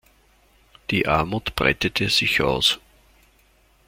Die Armut breitete sich aus.